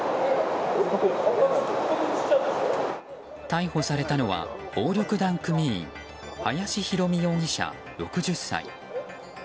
逮捕されたのは暴力団組員林弘美容疑者、６０歳。